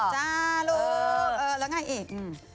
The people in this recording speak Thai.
จ้าลูกเออแล้วไงอีก